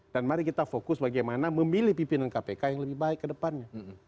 dan mari kita fokus bagaimana memilih pimpinan kpk yang lebih baik ke depannya